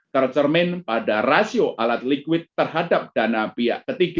tercermin pada rasio alat likuid terhadap dana pihak ketiga